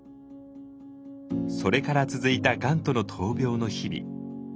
それから続いた「がん」との闘病の日々。